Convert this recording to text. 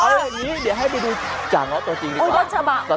เอาอย่างนี้เดี๋ยวให้ไปดูจากรถตัวจริง